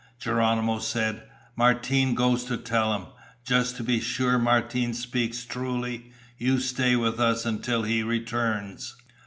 Geronimo said, "Martine goes to tell him. Just to be sure Martine speaks truly, you stay with us until he returns."